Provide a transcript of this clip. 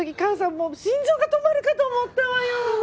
もう心臓が止まるかと思ったわよ。